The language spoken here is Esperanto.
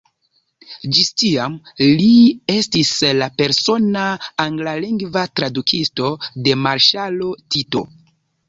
Ĝis tiam, li estis la persona anglalingva tradukisto de marŝalo Tito.